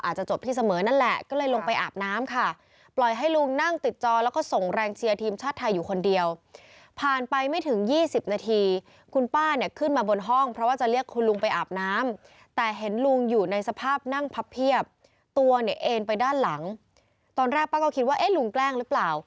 อาจจะจบที่เสมือนั่นแหละ